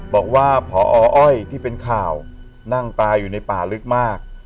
บอกว่าพออ้อยที่เป็นข่าวนั่งตายอยู่ในป่าลึกมาก